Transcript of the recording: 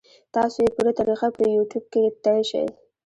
تاسو ئې پوره طريقه پۀ يو ټيوب کتے شئ -